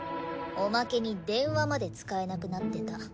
おまけに電話まで使えなくなってた。